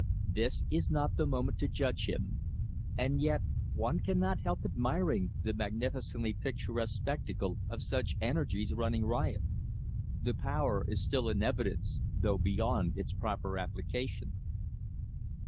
This is not the moment to judge him. And yet one cannot help admiring the magnificently picturesque spectacle of such energies running riot. The power is still in evidence, though beyond its proper application.